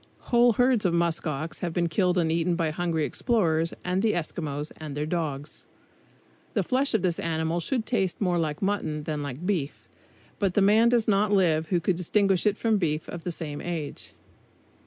Whole herds of musk ox have been killed and eaten by hungry explorers and the Eskimos and their dogs. The flesh of this animal should taste more like mutton than beef, but the man does not live who could distinguish it from beef of the same age.